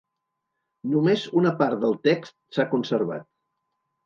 Només una part del text s'ha conservat.